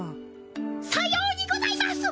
さようにございます！